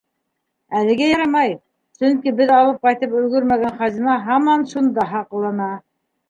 Әлегә ярамай, сөнки беҙ алып ҡайтып өлгөрмәгән хазина һаман шунда һаҡлана.